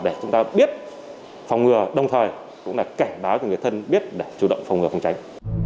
để chúng ta biết phòng ngừa đồng thời cũng là cảnh báo cho người thân biết để chủ động phòng ngừa phòng tránh